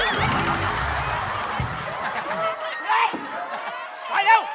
ยกยี่สาม